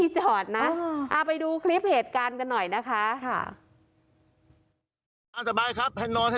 เชิญครับ